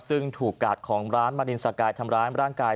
ซึ่งถูกกาดของร้านมารินสกายทำร้ายร่างกาย